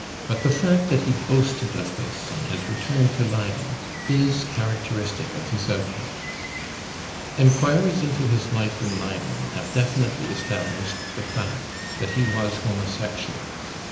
But the fact that he boasted of this on his return to Leyden is characteristic of his outlook. Enquiries into his life in Leyden have definitely estab lished the fact that he was homosexual.